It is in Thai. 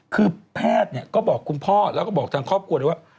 คือแพทย์เนี่ยก็บอกคุณพ่อแล้วก็บอกทางครอบครัวเลยว่า